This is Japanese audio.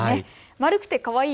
丸くてかわいい。